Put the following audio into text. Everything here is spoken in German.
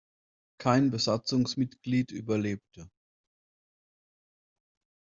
Kein Besatzungsmitglied überlebte.